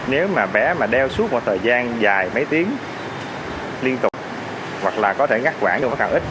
nếu mà bé mà đeo suốt một thời gian dài mấy tiếng liên tục hoặc là có thể ngắt quản được một khoảng ít